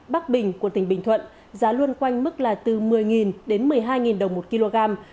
bắc bình của tỉnh bình thuận giá luôn quanh mức là từ một mươi đến một mươi hai đồng